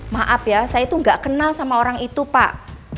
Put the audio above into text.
maaf ya saya itu nggak kenal sama orang itu pak